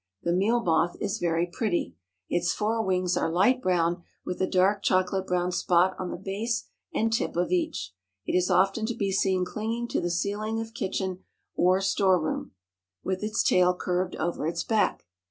The meal moth is very pretty. Its fore wings are light brown, with a dark chocolate brown spot on the base and tip of each. It is often to be seen clinging to the ceiling of kitchen or store room, with its tail curved over its back.